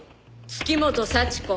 月本幸子。